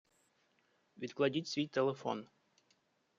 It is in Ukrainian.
Відкладіть свій телефон.